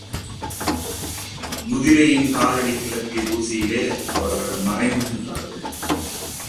குதிரையின் காலடி கிளப்பிய தூசியிலே அவர்கள் மறைந்து சென்றார்கள்.